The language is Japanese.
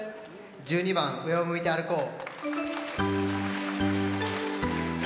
１２番「上を向いて歩こう」。